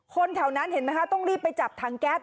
คนแถวนั้นเห็นไหมคะต้องรีบไปจับถังแก๊ส